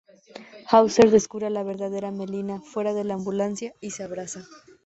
Hauser descubre a la verdadera Melina fuera de la ambulancia y se abrazan.